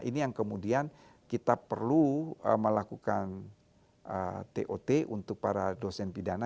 ini yang kemudian kita perlu melakukan tot untuk para dosen pidana